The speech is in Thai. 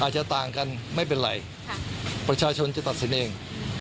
อาจจะต่างกันไม่เป็นไรประชาชนจะตัดสินเอง